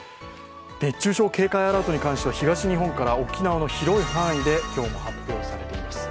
熱中症警戒アラートに関して東日本から沖縄の広い範囲で今日も発表されています。